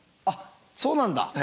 あっそうなんだ。